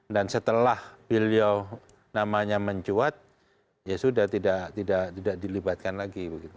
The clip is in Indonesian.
setelah beliau namanya mencuat ya sudah tidak dilibatkan lagi